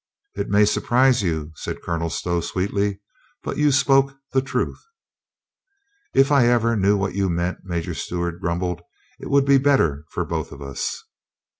"It may surprise you," said Colonel Stow sweet ly, "but you spoke the truth." "If I ever knew what you meant," Major Stew art grumbled, "it would be better for both of us."